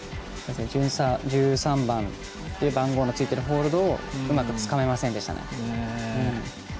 １３番という番号のついているホールドをうまく、つかめませんでしたね。